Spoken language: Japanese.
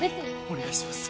お願いします